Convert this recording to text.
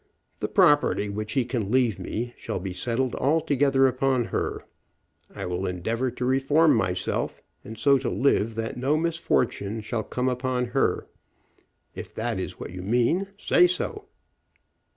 The property which he can leave me shall be settled altogether upon her. I will endeavor to reform myself, and so to live that no misfortune shall come upon her. If that is what you mean, say so."